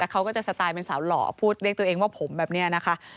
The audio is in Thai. เขาก็จะสไตล์เป็นสาวหล่อพูดเรียกตัวเองว่าผมแบบนี้นะคะ